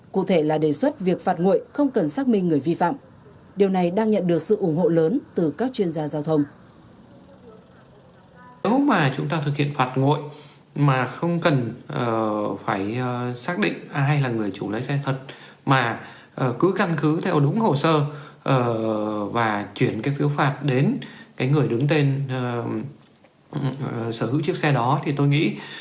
cụ thể là đề xuất việc phạt nguội không cần xác minh người vi phạm điều này đang nhận được sự ủng hộ lớn từ các chuyên gia giao thông